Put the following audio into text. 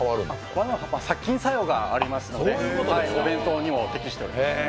バナナの葉っぱは殺菌作用がありますのでお弁当にも適しております。